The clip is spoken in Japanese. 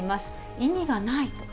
意味がないと。